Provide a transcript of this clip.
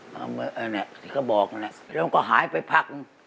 อเจมส์อันนี้ที่เขาบอกนี่แล้วมันก็หายไปพัก